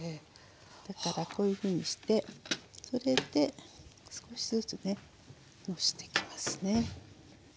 だからこういうふうにしてそれで少しずつねのしていきますね。